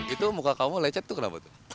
itu muka kamu lecet tuh kenapa tuh